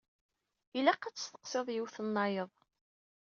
Ilaq ad testeqsiḍ yiwet-nnayeḍ.